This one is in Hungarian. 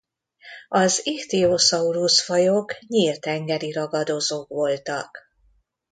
Az Ichthyosaurus-fajok nyílt tengeri ragadozók voltak.